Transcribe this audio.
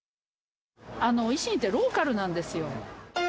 維新ってローカルなんですよ。